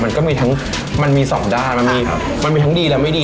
มันก็มีทั้งมันมีสองด้านมันมีครับมันมีทั้งดีและไม่ดี